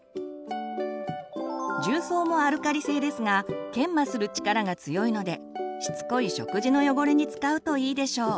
重曹もアルカリ性ですが研磨する力が強いのでしつこい食事の汚れに使うといいでしょう。